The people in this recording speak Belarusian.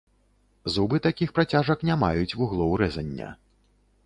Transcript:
Зубы такіх працяжак не маюць вуглоў рэзання.